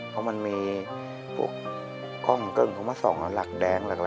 เพราะมันมีพวกก้องมันก็เหมือนเขามาส่องหลักแดงหลัก